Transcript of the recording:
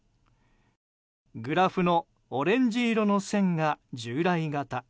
グラフのオレンジ色の線が従来型。